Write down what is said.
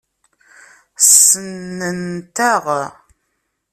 Ssnent-aɣ.